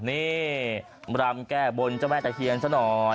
นี่รำแก้บนเจ้าแม่ตะเคียนซะหน่อย